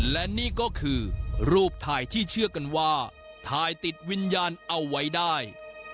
และนี่ก็คือรูปถ่ายที่เชื่อกันว่าถ่ายติดวิญญาณเอาไว้ได้